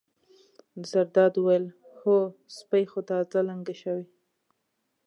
زرداد وویل: هو سپۍ خو تازه لنګه شوې.